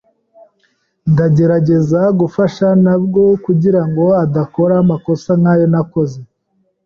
Ndagerageza gufasha mabwa kugirango adakora amakosa nkayo nakoze.